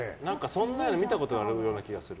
そんなの見たことある気がする。